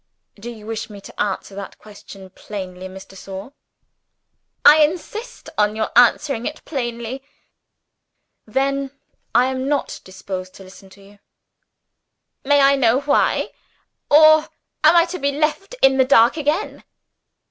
"Do you wish me to answer that question plainly, Miss de Sor?" "I insist on your answering it plainly." "Then I am not disposed to listen to you." "May I know why? or am I to be left in the dark again?"